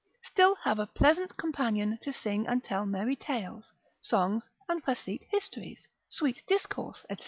still have a pleasant companion to sing and tell merry tales, songs and facete histories, sweet discourse, &c.